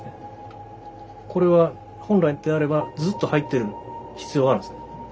これは本来であればずっと入ってる必要あるんですね。